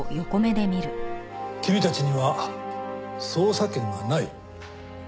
君たちには捜査権がない。